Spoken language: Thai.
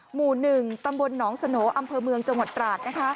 หมู่๑ตำบลหนองสโนอำเภอเมืองจังหวัดตราด